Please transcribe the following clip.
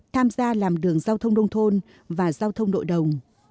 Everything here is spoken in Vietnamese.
tham gia làm đường giao thông đông thôn và giao thông đội đồng